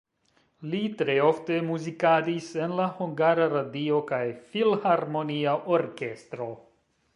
Li tre ofte muzikadis en la Hungara Radio kaj filharmonia orkestro.